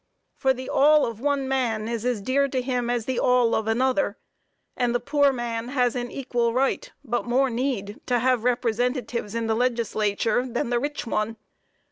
For the all of one man is as dear to him as the all of another; and the poor man has an equal right, but more need to have representatives in the Legislature than the rich one.